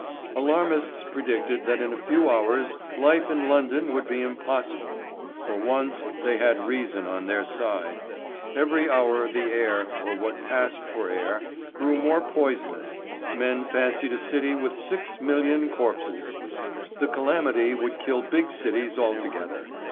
Alarmists predicted that in a few hours life in London would be impossible. For once they had reason on their side. Every hour the air, or what passed for air, grew more poisonous. Men fancied a city with six million corpses! The calamity would kill big cities altogether.